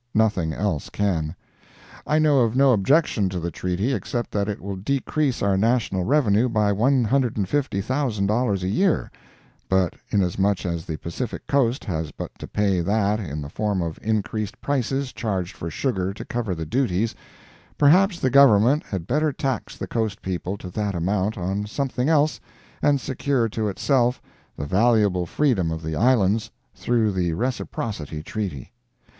Nothing else can. I know of no objection to the treaty except that it will decrease our national revenue by $150,000 a year—but inasmuch as the Pacific coast has but to pay that, in the form of increased prices charged for sugar to cover the duties, perhaps the Government had better tax the coast people to that amount on something else and secure to itself the valuable freedom of the islands through the reciprocity treaty.